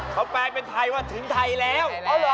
เขาแปลงเป็นไทยว่าถึงไทยแล้ว